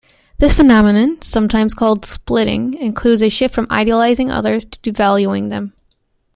This phenomenon, sometimes called splitting, includes a shift from idealizing others to devaluing them.